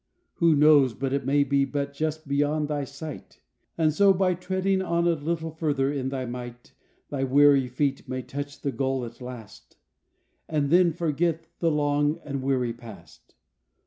Who knows but it may be but just beyond thy sight, And so by treading on a little further in thy might, Thy weary feet may touch the goal at last, And then forget the long and weary past.